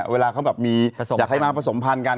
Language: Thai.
เวลาเขาแบบมีอยากให้มาผสมพันธ์กัน